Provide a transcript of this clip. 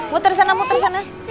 muter di sana muter di sana